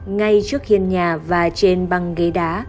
ngay trước hiên nhà và trên băng ghế đá